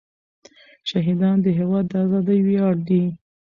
شهیدان د هېواد د ازادۍ ویاړ دی.